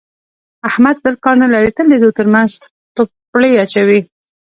احمد بل کار نه لري، تل د دوو ترمنځ دوپړې اچوي.